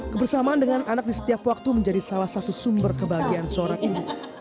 kebersamaan dengan anak di setiap waktu menjadi salah satu sumber kebahagiaan seorang ibu